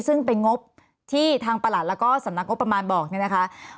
ซึ่งเป็นงบที่ทางประหลัดแล้วก็สำนักงบประมาณบอกเนี่ยนะคะ